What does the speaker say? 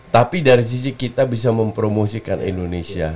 tapi dari sisi kita bisa mempromosikan indonesia